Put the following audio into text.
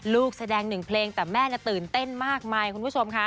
แสดงหนึ่งเพลงแต่แม่ตื่นเต้นมากมายคุณผู้ชมค่ะ